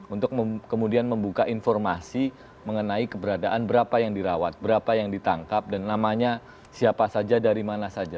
untuk kemudian membuka informasi mengenai keberadaan berapa yang dirawat berapa yang ditangkap dan namanya siapa saja dari mana saja